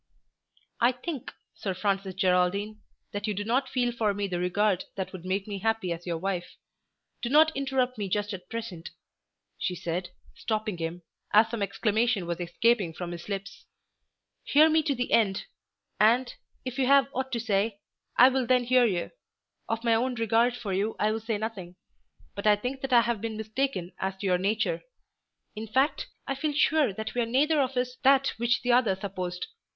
"I think, Sir Francis Geraldine, that you do not feel for me the regard that would make me happy as your wife. Do not interrupt me just at present," she said, stopping him, as some exclamation was escaping from his lips. "Hear me to the end, and, if you have ought to say, I will then hear you. Of my own regard for you I will say nothing. But I think that I have been mistaken as to your nature. In fact, I feel sure that we are neither of us that which the other supposed.